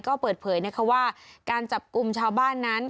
ก็เปิดเผยนะคะว่าการจับกลุ่มชาวบ้านนั้น